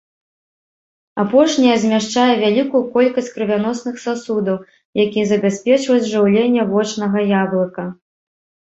Апошняя змяшчае вялікую колькасць крывяносных сасудаў, якія забяспечваюць жыўленне вочнага яблыка.